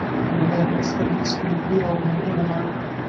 لومړی احمد سترګې سپينې کړې او ومړ.